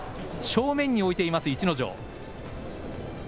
正面に置いています逸ノ城。